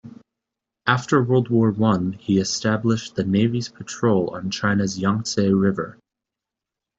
After World War One, he established the Navy's patrol on China's Yangtze River.